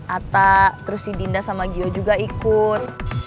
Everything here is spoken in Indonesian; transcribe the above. atta terus si dinda sama gio juga ikut